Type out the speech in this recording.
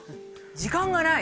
時間がない？